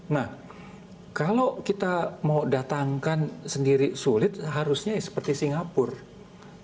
nah kalau kita mau datangkan sendiri sulit harusnya seperti singapura